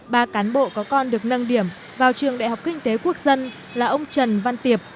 ba cán bộ có con được nâng điểm vào trường đại học kinh tế quốc dân là ông trần văn tiệp